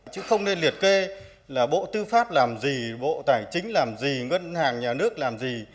chứ không nên liệt kê là bộ tư pháp làm gì bộ tài chính làm gì ngân hàng nhà nước làm gì